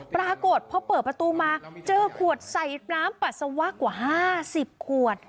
ปรากฏพอเปิดประตูมาเจอขวดใส่น้ำปัสสาวะกว่า๕๐ขวด